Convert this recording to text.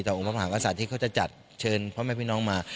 แต่องค์พระมหากษัตริย์ที่เขาจะจัดเชิญพ่อแม่พี่น้องมา